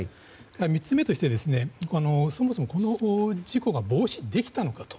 ３つ目として、そもそもこの事故は防止できたのか。